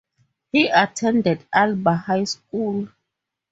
He attended Alba High School.